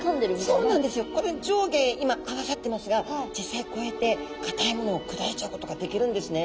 この上下今合わさってますが実際こうやってかたいものを砕いちゃうことができるんですね。